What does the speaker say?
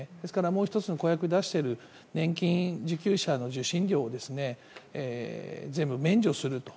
もう１つの公約出している年金受給者の受信料を全部、免除する。